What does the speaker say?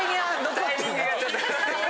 タイミングがちょっと。